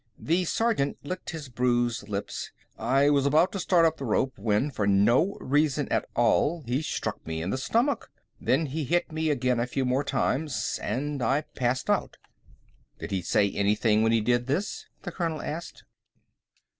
The sergeant licked his bruised lips. "I was about to start up the rope when, for no reason at all, he struck me in the stomach. Then he hit me again a few more times, and I passed out." "Did he say anything when he did this?" the Colonel asked.